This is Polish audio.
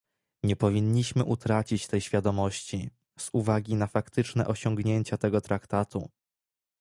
Nie powinniśmy utracić tej świadomości, z uwagi na faktyczne osiągnięcia tego Traktatu